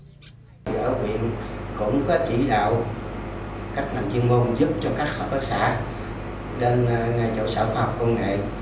cũng có chỉ đạo các năng chuyên môn giúp cho các hợp tác xã đến nhà trợ sở khoa học công nghệ